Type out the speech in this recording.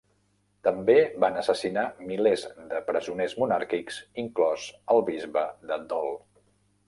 També van assassinar milers de presoners monàrquics, inclòs el bisbe de Dol.